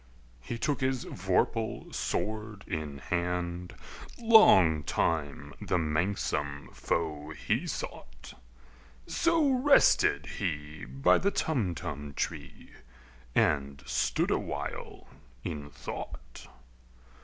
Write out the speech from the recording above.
He took his vorpal sword in hand: Long time the manxome foe he soughtŌĆö So rested he by the Tumtum tree, And stood awhile in thought.